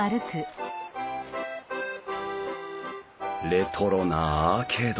レトロなアーケード。